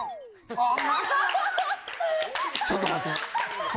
ちょっと待って。